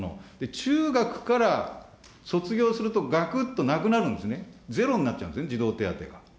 中学から卒業すると、がくっとなくなるんですね、ゼロになっちゃうんですね、児童手当が。